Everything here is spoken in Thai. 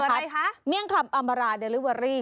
เบอร์อะไรคะเมี่ยงคลับอัมราเดริเวอรี่